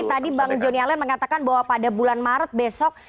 tadi bang joni allen mengatakan bahwa pada bulan maret besok